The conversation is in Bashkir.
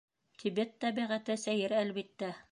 Тибет тәбиғәте сәйер, әлбиттә.